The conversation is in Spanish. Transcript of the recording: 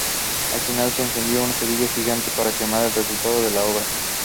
Al final, se encendió una cerilla gigante para quemar el resultado de la obra.